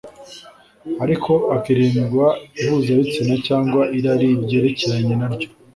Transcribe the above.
ariko hakirindwa ihuzabitsina cyangwa irari ryerekeranye naryo